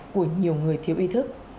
của nhiều người thiếu ý thức